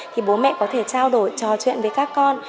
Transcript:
thì bố mẹ có thể trao đổi trò chuyện với các con